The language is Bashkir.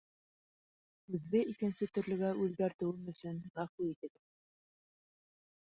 Һүҙҙе икенсе төрлөгә үҙгәртеүем өсөн ғәфү итегеҙ.